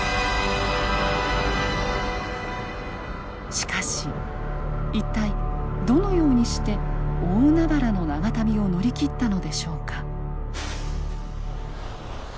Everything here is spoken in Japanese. しかし一体どのようにして大海原の長旅を乗り切ったのでしょうか。